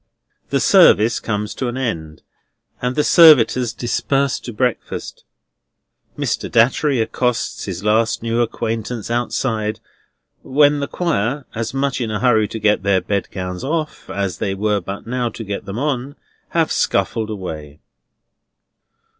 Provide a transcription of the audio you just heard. The service comes to an end, and the servitors disperse to breakfast. Mr. Datchery accosts his last new acquaintance outside, when the Choir (as much in a hurry to get their bedgowns off, as they were but now to get them on) have scuffled away.